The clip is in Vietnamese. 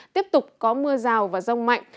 tiếp tục có mưa rào và rông mạnh